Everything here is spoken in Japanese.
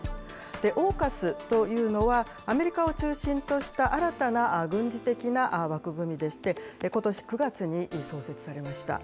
オーカスというのは、アメリカを中心とした新たな軍事的な枠組みでして、ことし９月に創設されました。